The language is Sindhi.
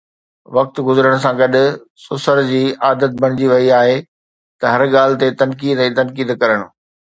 وقت گذرڻ سان گڏ سسر جي عادت بڻجي وئي آهي ته هر ڳالهه تي تنقيد ۽ تنقيد ڪرڻ.